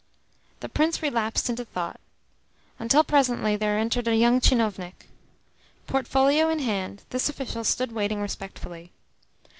The Prince relapsed into thought; until presently there entered a young tchinovnik. Portfolio in hand, this official stood waiting respectfully.